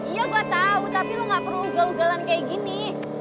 iya gue tau tapi lu gak perlu ugal ugalan kayak gini